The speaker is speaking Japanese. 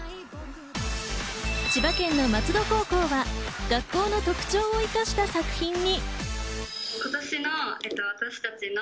千葉県の松戸高校は学校の特徴を生かした作品に。